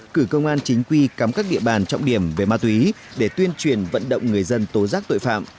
cử công an chính quy cắm các địa bàn trọng điểm về ma túy để tuyên truyền vận động người dân tố giác tội phạm